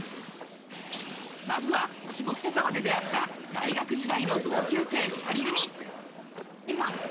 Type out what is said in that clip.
まずは下北沢で出会った大学時代の同級生２人組。